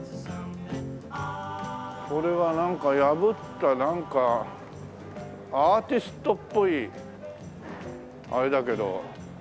これはなんか破ったなんかアーティストっぽいあれだけど。